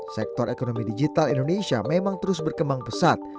sektor ekonomi digital indonesia memang terus berkembang pesat